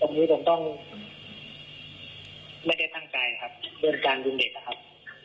ตรงนี้ผมต้องไม่ได้ตั้งใจครับเพื่อการดึงเด็กนะครับ